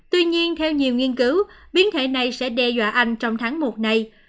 tuy nhiên theo nhiều nghiên cứu biến thể này sẽ đe dọa anh trong tháng một này